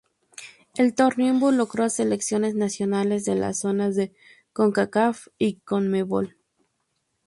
El torneo involucró a selecciones nacionales de las zonas de Concacaf y Conmebol.